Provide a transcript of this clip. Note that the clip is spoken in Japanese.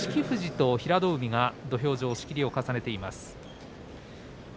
富士と平戸海が土俵上、仕切りを重ねています。